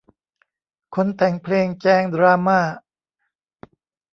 คนแต่งเพลงแจงดราม่า